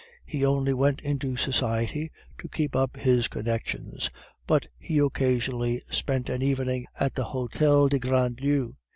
He only went into society to keep up his connections, but he occasionally spent an evening at the Hotel de Grandlieu.